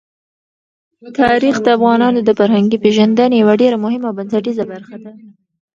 تاریخ د افغانانو د فرهنګي پیژندنې یوه ډېره مهمه او بنسټیزه برخه ده.